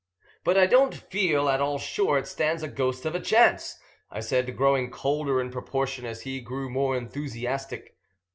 "But I don't feel at all sure it stands a ghost of a chance," I said, growing colder in proportion as he grew more enthusiastic.